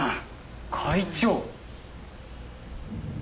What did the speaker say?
会長！